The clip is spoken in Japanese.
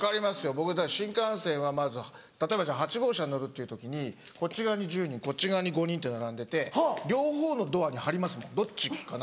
僕は新幹線はまず例えば８号車に乗るっていう時にこっち側に１０人こっち側に５人って並んでて両方のドアに張りますもんどっち行こうかな？